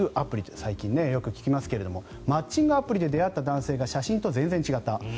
最近よく聞きますがマッチングアプリで出会った男性が写真と全然違った。